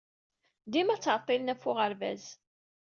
Dima ttɛeḍḍilen ɣef uɣerbaz.